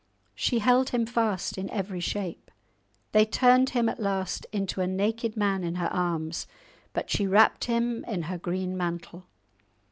She held him fast in every shape. They turned him at last into a naked man in her arms, but she wrapped him in her green mantle.